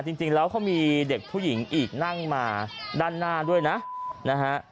จริงแล้วเขามีเด็กผู้หญิงอีกนั่งมาด้านหน้าด้วยนะนะฮะ